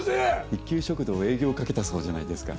一休食堂営業かけたそうじゃないですか。